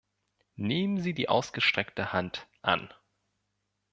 Nehmen Sie die ausgestreckte Hand an!